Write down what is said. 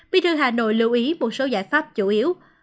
bí thư hà nội lưu ý một số giải pháp chủ yếu